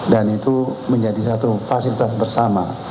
dan itu menjadi suatu fasilitas bersama